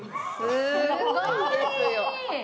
すごいですよ！